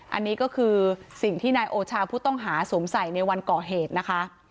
อันนี้ก็คือสิ่งที่นายโอชาผู้ต้องหาสวมใส่ในวันก่อเหตุนะคะ